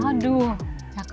aduh cakep pak